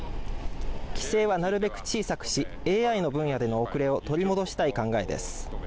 規制はなるべく小さくし、ＡＩの分野での遅れを取り戻したい考えです。